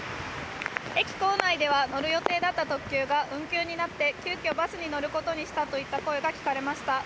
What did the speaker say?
駅構内では乗る予定だった特急が運休になって急きょバスに乗ることにしたといった声が聞かれました。